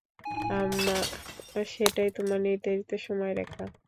সেটাই তোমার নির্ধারিত সময়রেখা।